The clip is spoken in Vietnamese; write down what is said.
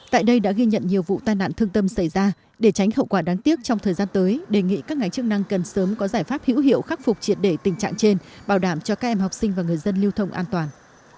tại đây đã ghi nhận nhiều vụ tai nạn thương tâm xảy ra để tránh hậu quả đáng tiếc trong thời gian tới đề nghị các ngành chức năng cần sớm có giải pháp hữu hiệu khắc phục triệt để tình trạng trên bảo đảm cho các em học sinh và người dân lưu thông an toàn